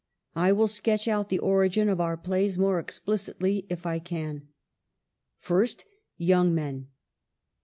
I will sketch out the origin of our plays more explicitly if I can. First, ' Young Men.'